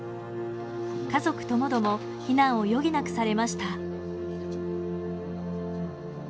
家族ともども避難を余儀なくされました。